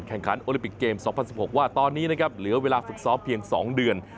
โอลิปิกเกม๒๐๑๖ว่าตอนนี้นะครับเหลือเวลาฝึกซ้อมเพียง๒เดือน